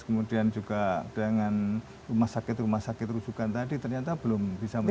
kemudian juga dengan rumah sakit rumah sakit rujukan tadi ternyata belum bisa mencapai